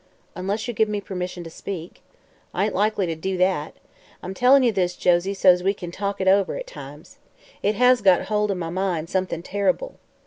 "Unless you give me permission to speak." "I ain't likely to do that. I'm tellin' ye this, Josie, so's we kin talk it over, at times. It has got hold o' my mind, somethin' terrible.